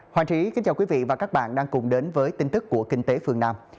hoàng trí xin kính chào quý vị và các bạn đang cùng đến với tin tức của kinh tế phương nam